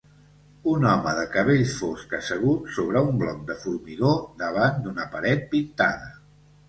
Un home de cabell fosc assegut sobre un bloc de formigó davant d'una paret pintada.